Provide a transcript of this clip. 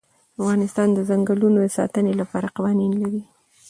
افغانستان د ځنګلونه د ساتنې لپاره قوانین لري.